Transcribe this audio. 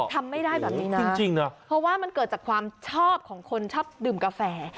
ทำไม่ได้แบบนี้นะจริงนะเพราะว่ามันเกิดจากความชอบของคนชอบดื่มกาแฟ